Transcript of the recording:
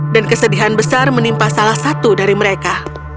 dan kesedihan besar menimpa salah satu dari mereka